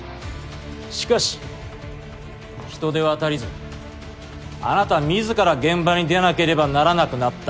しかし人手は足りずあなた自ら現場に出なければならなくなった。